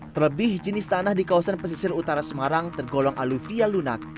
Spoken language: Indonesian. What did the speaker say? terlebih jenis tanah di kawasan pesisir utara semarang tergolong aluvia lunak